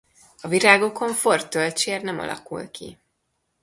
A virágokon forrt tölcsér nem alakul ki.